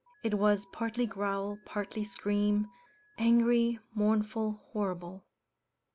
It was partly growl, partly scream, angry, mournful, horrible.